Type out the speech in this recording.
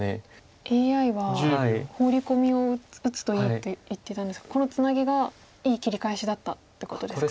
ＡＩはホウリコミを打つといいって言ってたんですがこのツナギがいい切り返しだったってことですか。